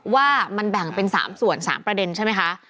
ว่ามันแบ่งเป็น๓ส่วน๓ประเด็นใช่ไหมคะ